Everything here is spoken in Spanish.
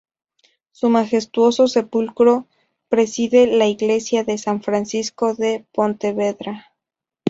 Su majestuoso sepulcro preside la iglesia de San Francisco de Pontevedra.